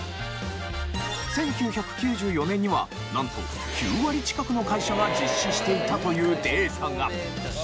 １９９４年にはなんと９割近くの会社が実施していたというデータが。